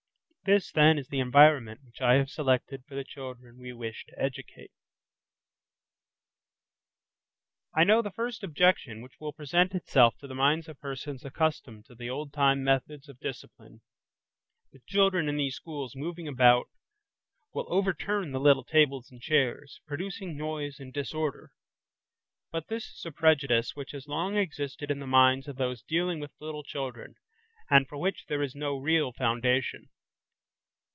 This, then, is the environment which I have selected for the children we wish to educate. I know the first objection which will present itself to the minds of persons accustomed to the old time methods of discipline;–the children in these schools, moving about, will overturn the little tables and chairs, producing noise and disorder; but this is a prejudice which has long existed in the minds of those dealing with little children, and for which there is no real foundation.